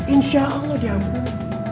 insya allah diampun